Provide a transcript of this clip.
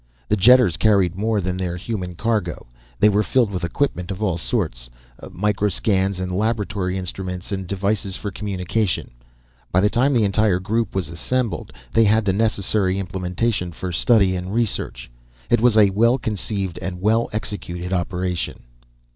The jetters carried more than their human cargo; they were filled with equipment of all sorts microscans and laboratory instruments and devices for communication. By the time the entire group was assembled, they had the necessary implementation for study and research. It was a well conceived and well executed operation.